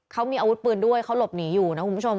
เขามีอาวุธปืนด้วยเขาหลบหนีอยู่นะคุณผู้ชม